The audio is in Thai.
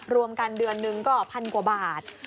รวมกันเดือนหนึ่งก็พันกว่าบาท